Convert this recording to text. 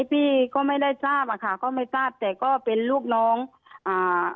พี่ก็ไม่ได้ทราบอ่ะค่ะก็ไม่ทราบแต่ก็เป็นลูกน้องอ่า